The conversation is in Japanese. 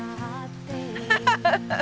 ハハハハ！